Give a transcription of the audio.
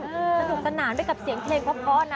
สนุกสนานไปกับเสียงเพลงเพราะนะ